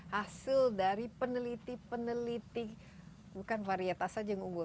hasil dari peneliti peneliti bukan varietas saja yang unggul